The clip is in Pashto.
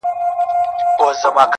• لاسو كې توري دي لاسو كي يې غمى نه دی.